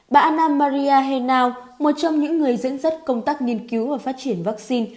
bà anna maria henao một trong những người dẫn dắt công tác nghiên cứu và phát triển vaccine